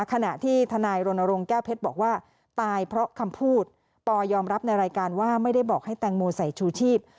ขณะที่ทนายรณรงค์แก้วเพชรบอกว่าตายเพราะคำพูดปอยอมรับในรายการว่าไม่ได้บอกให้แตงโมใส่ชูชีพ